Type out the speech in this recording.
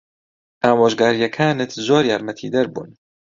ئامۆژگارییەکانت زۆر یارمەتیدەر بوون.